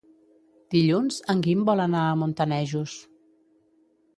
Dilluns en Guim vol anar a Montanejos.